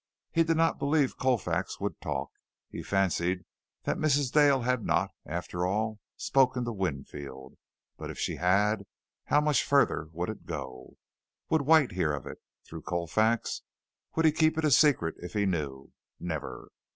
He did not believe Colfax would talk. He fancied that Mrs. Dale had not, after all, spoken to Winfield, but if she had, how much further would it go? Would White hear of it through Colfax? Would he keep it a secret if he knew? Never!